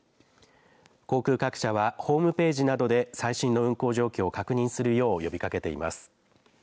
航空各社はホームページなどで最新の運航状況を確認するよう呼びかけています。